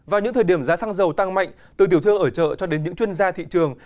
vào những thời điểm giá xăng dầu tăng mạnh từ tiểu thương ở chợ cho đến những chuyên gia thị trường